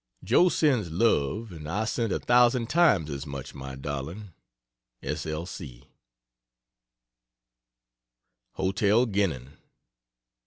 Joe sends love and I send a thousand times as much, my darling. S. L. C. HOTEL GENNIN.